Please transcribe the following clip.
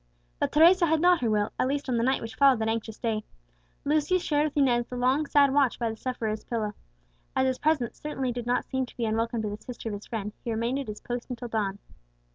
But Teresa had not her will, at least on the night which followed that anxious day. Lucius shared with Inez the long sad watch by the sufferer's pillow. As his presence certainly did not seem to be unwelcome to the sister of his friend, he remained at his post until dawn.